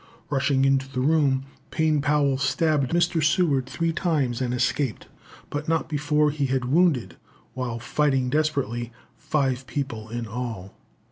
Rushing into the room, Payne Powell stabbed Mr. Seward three times, and escaped, but not before he had wounded, while fighting desperately, five people in all.